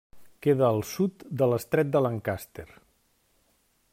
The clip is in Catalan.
Queda al sud de l'estret de Lancaster.